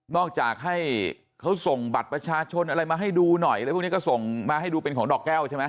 จากให้เขาส่งบัตรประชาชนอะไรมาให้ดูหน่อยอะไรพวกนี้ก็ส่งมาให้ดูเป็นของดอกแก้วใช่ไหม